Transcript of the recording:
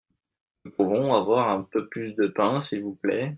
Nous pouvons avoir un peu plus de pain s’il vous plait ?